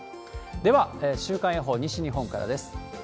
では週間予報、西日本からです。